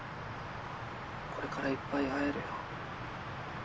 これからいっぱい会えるよ。